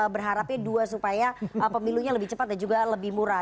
berharapnya dua supaya pemilunya lebih cepat dan juga lebih murah